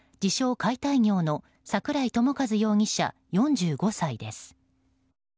解体業の桜井朝和容疑者、４５歳です。